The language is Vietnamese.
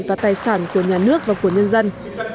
và tài sản của nhà nước và của nhân dân